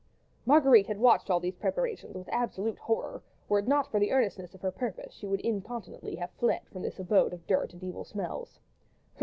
Marguerite had watched all these preparations with absolute horror; were it not for the earnestness of her purpose, she would incontinently have fled from this abode of dirt and evil smells.